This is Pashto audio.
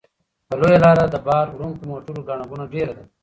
په لویه لاره د بار وړونکو موټرو ګڼه ګوڼه ډېره ده.